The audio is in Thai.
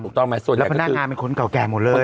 ถูกต้องแล้วพนักงานเป็นคนเก่าแก่หมดเลย